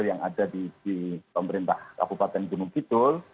yang ada di pemerintah kabupaten gunung kidul